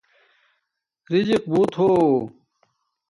رزِق بوت ہو